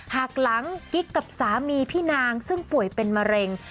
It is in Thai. หากหลังกิ๊กกับสามีพี่นางซึ่งป่วยเป็นมะเร็ง